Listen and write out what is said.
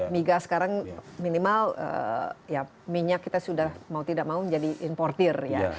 migas sekarang minimal minyak kita sudah mau tidak mau jadi importer ya